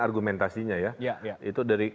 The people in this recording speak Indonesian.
argumentasinya ya itu dari